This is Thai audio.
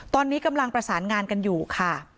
ตอนนี้กำลังประสานงานกันอยู่ค่ะ